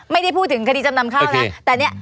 ไม่ได้พูดถึงคดีจำนำข้าวนะแต่เนี่ย